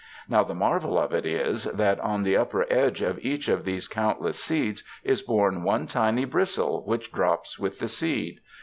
Now the marvel of it is that on the upper edge of each of those countless seeds is borne one tiny bristle which drops with the seed.